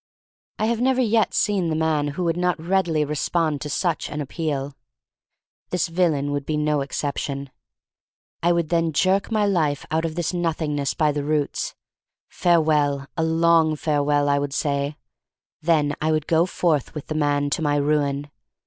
I have never yet seen the man who would not readily respond to such an appeal. This villain would be no exception. I would then jerk my life out of this Nothingness by the roots. Farewell, a long farewell, I would say. Then I would go forth with the man to my ruin.